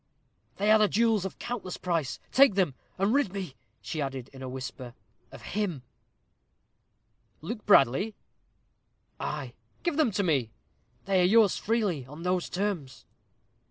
"They are jewels of countless price. Take them, and rid me," she added in a whisper, "of him." "Luke Bradley?" "Ay." "Give them to me." "They are yours freely on those terms."